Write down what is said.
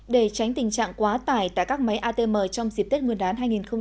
để tránh tình trạng quá tải tại các máy atm trong dịp tết nguyên đán hai nghìn hai mươi